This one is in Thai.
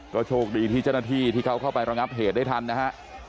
ก็โชคดีที่เจ้าหน้าที่ที่เขาเข้าไประงับเหตุได้ทันนะฮะ